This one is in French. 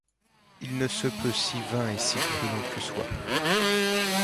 Il ne se peut, si vain et si croulant que soit